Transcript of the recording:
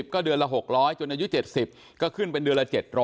ก็เดือนละ๖๐๐จนอายุ๗๐ก็ขึ้นเป็นเดือนละ๗๐๐